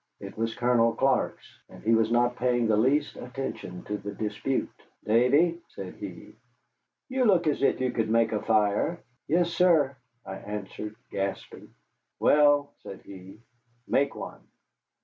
It was Colonel Clark's, and he was not paying the least attention to the dispute. "Davy," said he, "you look as if you could make a fire." "Yes, sir," I answered, gasping. "Well," said he, "make one."